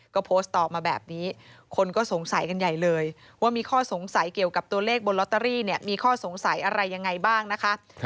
ก็โพสต์ตอบมาแบบนี้คนก็สงสัยกันใหญ่เลยว่ามีข้อสงสัยเกี่ยวกับตัวเลขบนลอตเตอรี่เนี่ยมีข้อสงสัยอะไรยังไงบ้างนะคะ